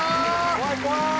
怖い怖い！